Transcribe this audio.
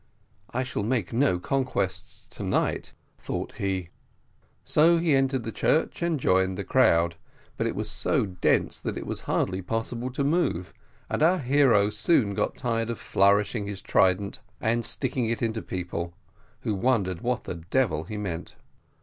"I shall make no conquests to night," thought he, so he entered the church, and joined the crowd; but it was so dense that it was hardly possible to move, and our hero soon got tired of flourishing his trident, and sticking it into people, who wondered what the devil he meant.